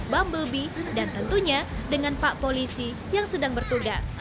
bumblebee dan tentunya dengan pak polisi yang sedang bertugas